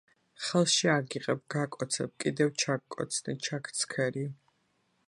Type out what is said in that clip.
ხელში აგიღებ გაკოცებ კიდევ ჩაგკოცნი ჩაგცქერი...